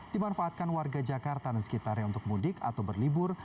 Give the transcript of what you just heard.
dimanfaatkan warga jakarta dan sekitarnya untuk mudik atau berlibur